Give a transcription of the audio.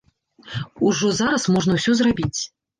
Ужо зараз можна ўсё зрабіць.